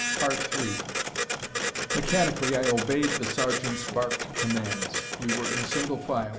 Mechanically I obeyed the sergeant's barked commands. We were in single file.